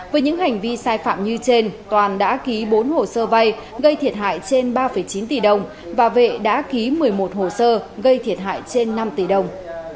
với những hành vi sai phạm như trên toàn đã ký bốn hồ sơ vay gây thiệt hại trên ba chín tỷ đồng và vệ đã ký một mươi một hồ sơ gây thiệt hại trên năm tỷ đồng